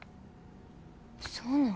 そうなん？